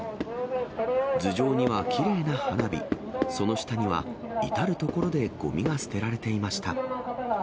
頭上にはきれいな花火、その下には至る所でごみが捨てられていました。